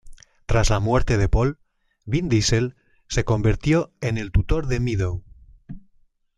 Tras la muerte de Paul, Vin Diesel se convirtió en el tutor de Meadow.